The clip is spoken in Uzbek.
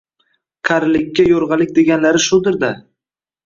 Qarilikka yo`rg`alik deganlari shudir-da